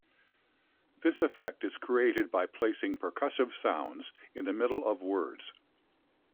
This effect is created by placing percussive sounds in the middle of words.